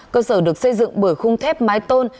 cơ sở được xây dựng bởi khung thép mái tôn